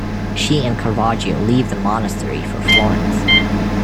She and Caravaggio leave the monastery for Florence.